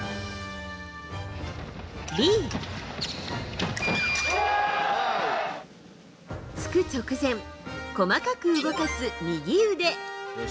Ｂ、突く直前細かく動かす右腕。